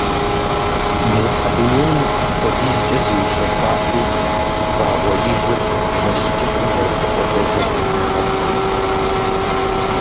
Бжьыхьэ дунейм апхуэдизкӏэ зиущэхуати, вагъуэижыр жэщ кӏыфӏым зэрыхэкӏуэдэжыр зэхэпхырт.